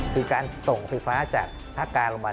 คือการส่งไฟฟ้าจากภาคกลางลงมา